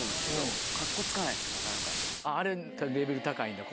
あれレベル高いんだ。